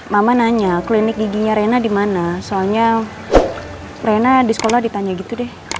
mama nanya klinik giginya rena di mana soalnya rena di sekolah ditanya gitu deh